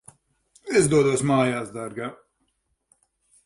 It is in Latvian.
Es dodos mājās, dārgā.